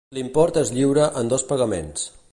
L'import es lliura en dos pagaments.